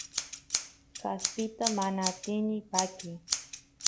kaspita mana atini pakiy